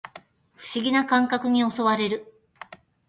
不思議な感覚に襲われる